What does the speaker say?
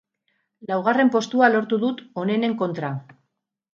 Laugarren postua lortu dut onenen kontra.